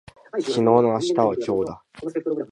昨日の明日は今日だ